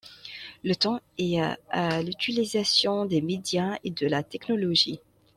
Le temps est à l’utilisation des médias et de la technologie.